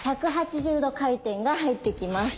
１８０度回転が入ってきます。